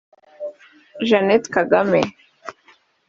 Jeannette Kagame